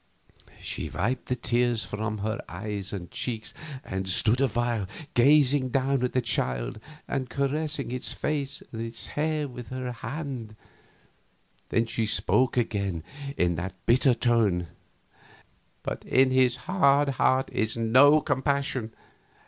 She wiped the tears from her eyes and cheeks, and stood awhile gazing down at the child and caressing its face and its hair with her hand; then she spoke again in that bitter tone: "But in His hard heart is no compassion.